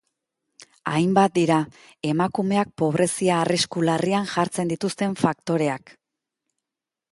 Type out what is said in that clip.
Hainbat dira emakumeak pobrezia arrisku larrian jartzen dituzten faktoreak.